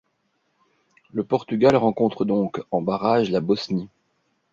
Le Portugal rencontre donc en barrages la Bosnie.